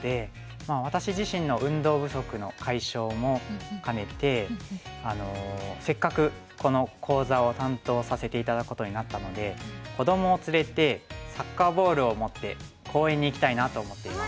私自身の運動不足の解消も兼ねてせっかくこの講座を担当させて頂くことになったので子どもを連れてサッカーボールを持って公園に行きたいなと思っています。